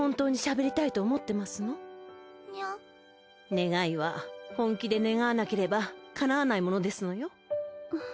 願いは本気で願わなければかなわないものですのよ。